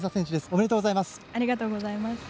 おめでとうございます。